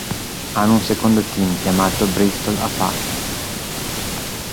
Hanno un secondo team chiamato Bristol Apache.